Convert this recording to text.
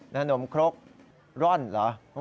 น้ำนมครบร่อนเหรอ